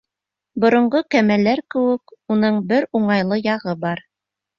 Боронғо кәмәләр кеүек уның бер уңайлы яғы бар.